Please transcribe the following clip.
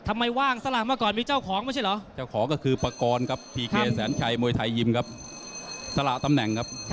ทำไมว่างสร่างเมื่อก่อนมีเจ้าของมั้ยไม่ใช่รึ